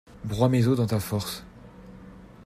Broie mes os dans ta force.